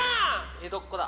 江戸っ子だ。